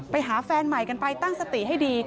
ไปหาแฟนใหม่กันไปตั้งสติให้ดี